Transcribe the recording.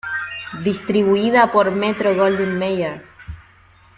Distribuida por Metro-Goldwyn-Mayer.